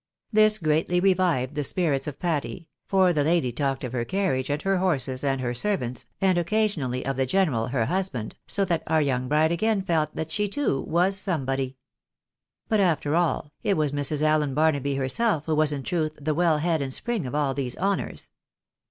This gTeatly revived the spirits of Patty ; for the lady talked of her carriage, and her horses, and her servants, and occasionally of the general, her husband, so that our young bride again felt that she too was somebody. But, after all, it was Mrs. Allen Barnaby herself who was in truth the well head and spring of all these honours.